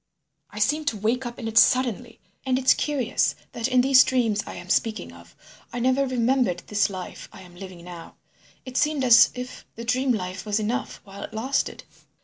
I seemed to wake up in it suddenly. And it's curious that in these dreams I am speaking of I never remembered this life I am living now. It seemed as if the dream life was enough while it lasted.